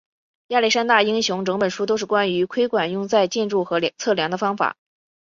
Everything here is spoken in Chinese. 亚历山大英雄整本书都是关于窥管用在建筑和测量的方法。